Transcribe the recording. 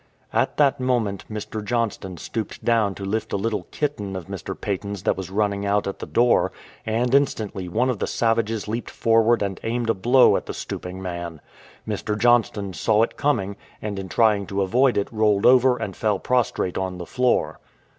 At that moment Mr. Johnston stooped down to lift a little kitten of Mr. Paton's that was running out at the door, and instantly one of the savages leaped forward and aimed a blow at the stooping man. Mr. Johnston saw it coming, and in trying to avoid it rolled over and fell prostrate on the floor.